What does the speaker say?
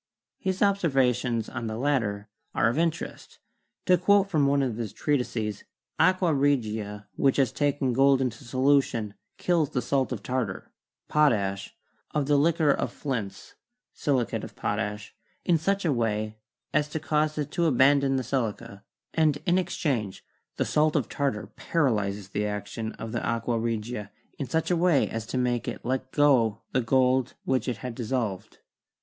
His observations on the latter are of interest; to quote from one of his trea tises, "Aqua regia which has taken gold into solution Jdlls the salt of tartar (potash) of the liquor of flints PERIOD OF MEDICAL MYSTICISM 81 (silicate of potash) in such a way as to cause it to aban don the silica, and in exchange the salt of tartar para lyzes the action of the aqua regia in such a way as to make it let go the gold which it had dissolved.